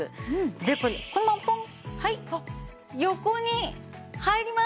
でこれこのままポンはい横に入ります！